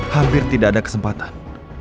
hampir tidak ada kesempatan